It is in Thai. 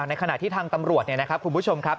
ในขณะที่ทางตำรวจคุณผู้ชมครับ